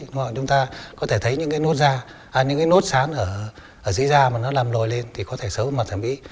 hoặc chúng ta có thể thấy những cái nốt sán ở dưới da mà nó làm lồi lên thì có thể xấu mặt thẩm mỹ